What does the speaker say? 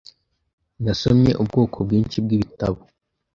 Nasomye ubwoko bwinshi bwibitabo .